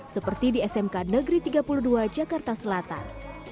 seperti di smk negeri tiga puluh dua jakarta selatan